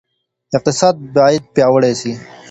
اقتصاد باید پیاوړی سي.